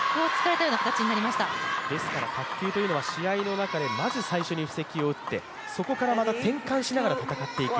卓球というのは試合の中でまず最初に布石を打ってそこからまた転換しながら戦っていく。